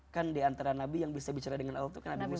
kan diantara nabi yang bisa bicara dengan allah